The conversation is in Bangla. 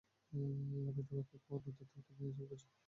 আমি তোমাকে দেখে খুবই আনন্দিত, তুমি এইসব কি করেছো?